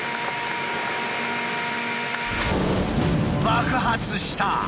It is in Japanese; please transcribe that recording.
爆発した！